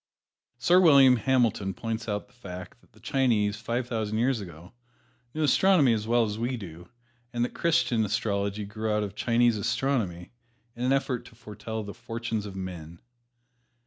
Sir William Hamilton points out the fact that the Chinese, five thousand years ago, knew astronomy as well as we do, and that Christian astrology grew out of Chinese astronomy, in an effort to foretell the fortunes of men.